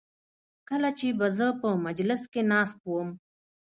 کله چې به زه په مجلس کې ناست وم.